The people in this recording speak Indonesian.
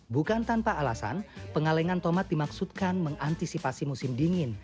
bukan tanpa alasan pengalengan tomat dimaksudkan mengantisipasi musim dingin